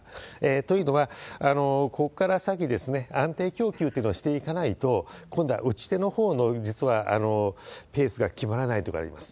というのは、ここから先、安定供給というのをしていかないと、今度は打ち手のほうの、実はペースが決まらないということがあります。